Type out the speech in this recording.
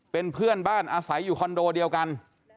เป็นเพื่อนบ้านอาศัยอยู่คอนโดเดียวกัน